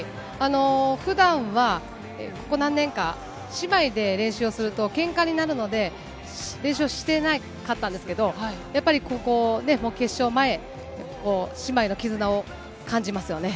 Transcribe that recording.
ふだんはここ何年間、姉妹で練習をするとけんかになるので、練習をしてなかったんですけれども、やっぱりここ、決勝前、姉妹の絆を感じますよね。